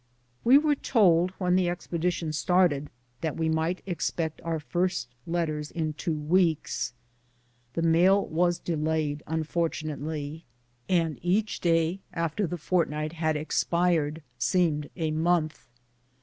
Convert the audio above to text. We were told, when the expedition started, that we might expect our first letters in two weeks. The mail was delayed, unfortunately, and each day after the fort night had expired seemed a month.